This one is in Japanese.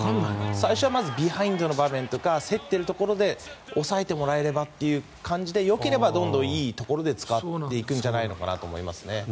最初はまずビハインドの場面とか競っているところで抑えてもらえればという感じでよければ、どんどんいいところで使っていくんじゃないのかなと思いますね。